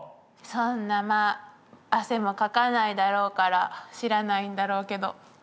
そんなまあ汗もかかないだろうから知らないんだろうけど。